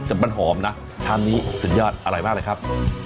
แต่มันหอมนะชามนี้สุดยอดอร่อยมากเลยครับ